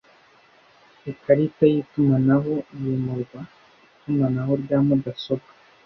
Ikarita Yitumanaho Yimurwa Itumanaho rya mudasobwa